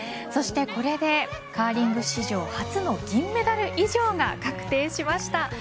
そしてこれでカーリング史上初の銀メダル以上が確定しました。